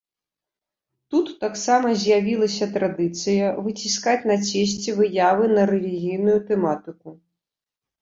Тут таксама з'явілася традыцыя выціскаць на цесце выявы на рэлігійную тэматыку.